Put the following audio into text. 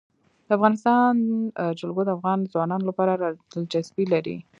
د افغانستان جلکو د افغان ځوانانو لپاره دلچسپي لري.